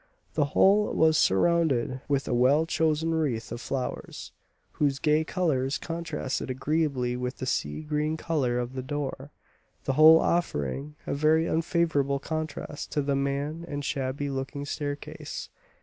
The whole was surrounded with a well chosen wreath of flowers, whose gay colours contrasted agreeably with the sea green colour of the door; the whole offering a very unfavourable contrast to the mean and shabby looking staircase.